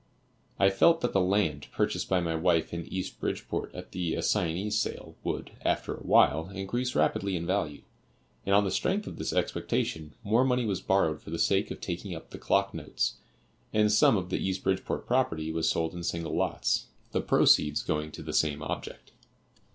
I felt that the land, purchased by my wife in East Bridgeport at the assignees' sale, would, after a while, increase rapidly in value; and on the strength of this expectation more money was borrowed for the sake of taking up the clock notes, and some of the East Bridgeport property was sold in single lots, the proceeds going to the same object.